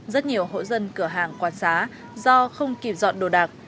rất nhiều hội dân cửa hàng quản xá do không kịp dọn đồ đạc